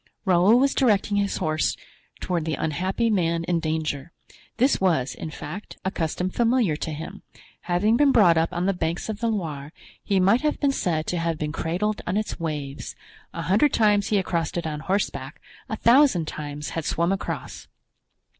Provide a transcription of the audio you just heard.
Raoul was directing his horse toward the unhappy man in danger. This was, in fact, a custom familiar to him. Having been brought up on the banks of the Loire, he might have been said to have been cradled on its waves; a hundred times he had crossed it on horseback, a thousand times had swum across.